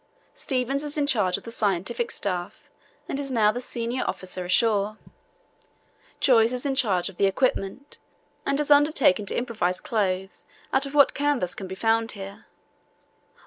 Stevens is in charge of the scientific staff and is now the senior officer ashore. Joyce is in charge of the equipment and has undertaken to improvise clothes out of what canvas can be found here.